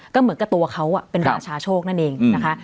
ก็เหมือนกับตัวเขาเป็นราชาโชคนั่นเองนะคะ